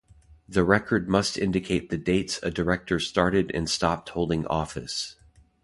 The record must indicate the dates a director started and stopped holding office.